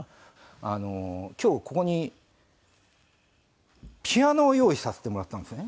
あの今日ここにピアノを用意させてもらったんですね。